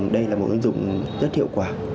đây là một ứng dụng rất hiệu quả